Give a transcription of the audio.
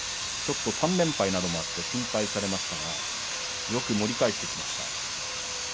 ３連敗もあって心配されましたがよく盛り返してきました。